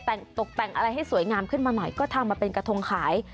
แต่งตกแต่งอะไรให้สวยงามขึ้นมาหน่อยก็ทำมาเป็นกระทงขาย